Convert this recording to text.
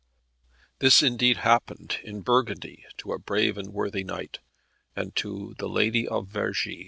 This indeed happened in Burgundy to a brave and worthy knight, and to the Lady of Vergi.